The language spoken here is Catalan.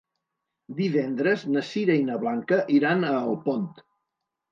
Divendres na Sira i na Blanca iran a Alpont.